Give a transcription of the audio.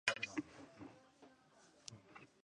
Superman is imprisoned for the destruction of Safe Haven.